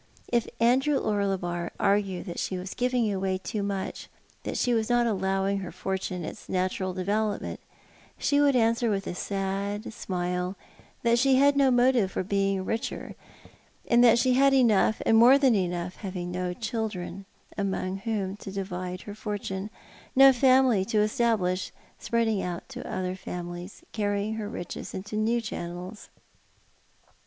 If Andrew Orlebar argued that she Wiis giving away too much, that she was not allowing her fortune its natural development, she would answer with a sad smile that she had no motive for IxMUg richer, that she had enough and more than enough, having no children among whom to divide her fortune, no family to establish, spreading out into other families, carrying her riches into new channels.